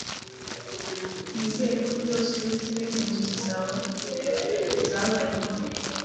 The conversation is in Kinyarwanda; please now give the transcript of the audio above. Nizere ko byose uretse imwe mu nzozi zawe zabaye impamo,